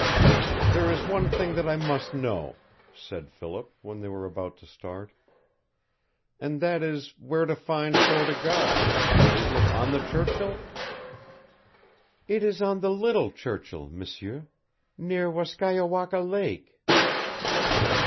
"There is one thing that I must know," said Philip, when they were about to start, "and that is where to find Fort o' God? Is it on the Churchill?" "It is on the Little Churchill, M'sieur, near Waskiaowaka Lake."